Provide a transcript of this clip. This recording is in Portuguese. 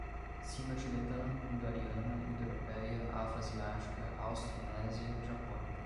Sino-tibetano, indo-ariana, indo-europeia, afro-asiática, austronésia, japônica